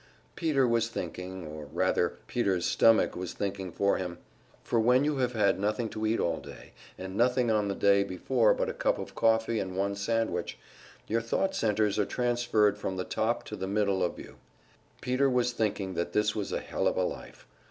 Peter was thinking or rather Peter's stomach was thinking for him; for when you have had nothing to eat all day, and nothing on the day before but a cup of coffee and one sandwich, your thought centers are transferred from the top to the middle of you. Peter was thinking that this was a hell of a life.